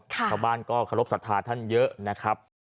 ชาวบ้านก็เคารพสัทธาท่านเยอะนะครับ